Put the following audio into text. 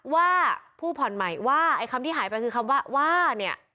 ว่าว่าไอ้คำที่หายไปคือคำว่าว่าเนี่ย